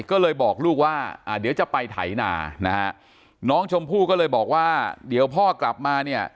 ก็เลยบอกลูกว่าอ่าเดี๋ยวจะไปไถนานะฮะน้องชมพู่ก็เลยบอกว่าเดี๋ยวพ่อกลับมาเนี่ย